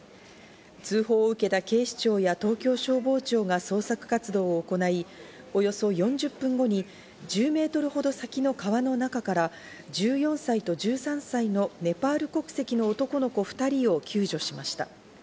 通報を受けた警視庁や東京消防庁が捜索活動を行い、およそ４０分後に１０メートルほど先の川の中から、１４歳と１３歳のネパール国籍の男の子２人を救助しました。